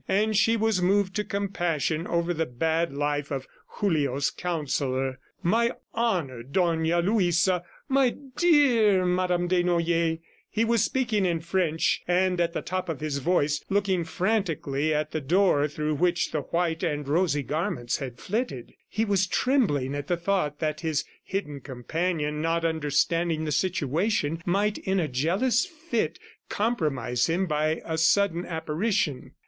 And she was moved to compassion over the bad life of Julio's counsellor. "My honored Dona Luisa. ... My DEAR Madame Desnoyers. ..." He was speaking in French and at the top of his voice, looking frantically at the door through which the white and rosy garments had flitted. He was trembling at the thought that his hidden companion, not understanding the situation, might in a jealous fit, compromise him by a sudden apparition.